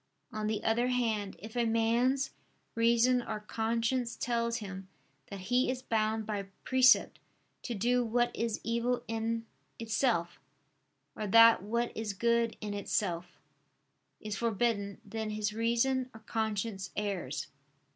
On the other hand if a man's reason or conscience tells him that he is bound by precept to do what is evil in itself; or that what is good in itself, is forbidden, then his reason or conscience errs.